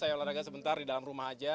saya olahraga sebentar di dalam rumah aja